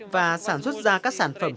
và sản xuất ra các sản phẩm